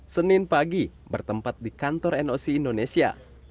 senin pagi bertempat di kantor noc indonesia